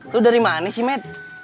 itu dari mana sih med